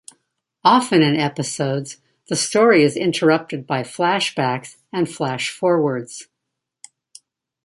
Often in episodes, the story is interrupted by flashbacks and flash-forwards.